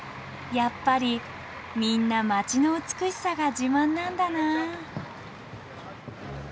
やっぱりみんな街の美しさが自慢なんだな。